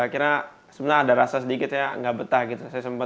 akhirnya sebenarnya ada rasa sedikit ya nggak betah gitu